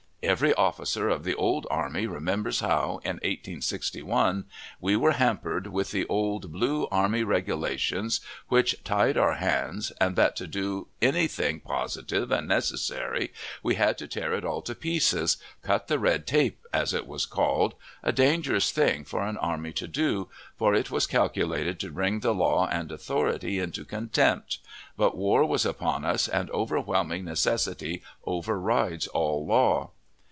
Every officer of the old army remembers how, in 1861, we were hampered with the old blue army regulations, which tied our hands, and that to do any thing positive and necessary we had to tear it all to pieces cut the red tape, as it was called, a dangerous thing for an army to do, for it was calculated to bring the law and authority into contempt; but war was upon us, and overwhelming necessity overrides all law.